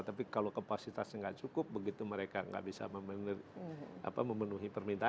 tapi kalau kapasitasnya nggak cukup begitu mereka nggak bisa memenuhi permintaan